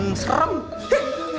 paling jelek paling serem